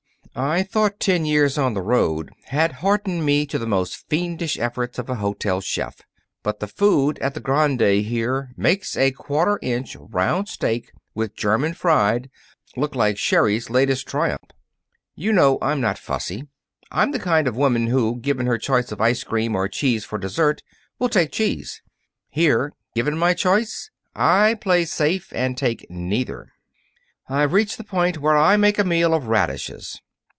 I thought ten years on the road had hardened me to the most fiendish efforts of a hotel chef. But the food at the Grande here makes a quarter inch round steak with German fried look like Sherry's latest triumph. You know I'm not fussy. I'm the kind of woman who, given her choice of ice cream or cheese for dessert, will take cheese. Here, given my choice, I play safe and take neither. I've reached the point where I make a meal of radishes.